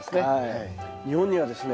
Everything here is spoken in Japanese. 日本にはですね